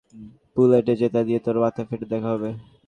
অন্যথায়, পরের ডেলিভারি হবে বুলেট যেটা দিয়ে তোর মাথা ফুটো করে দেওয়া হবে।